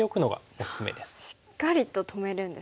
しっかりと止めるんですね。